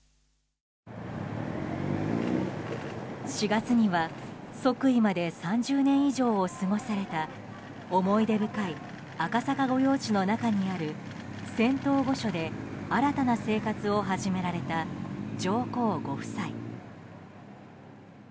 ４月には即位まで３０年以上を過ごされた思い出深い赤坂御用地の中にある仙洞御所で新たな生活を始められた上皇ご夫妻。